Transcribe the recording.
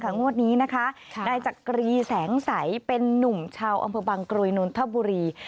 งวดนี้นะคะนายจักรีแสงใสเป็นนุ่มชาวอำเภอบางกรวยนนทบุรี